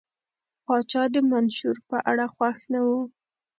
پاچا د منشور په اړه خوښ نه و.